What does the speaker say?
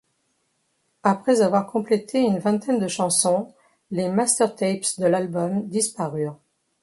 Après avoir complété une vingtaine de chansons, les master tapes de l'album disparurent.